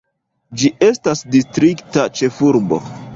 Ĝi estas distrikta ĉefurbo.